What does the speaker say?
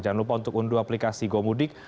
jangan lupa untuk unduh aplikasi gomudik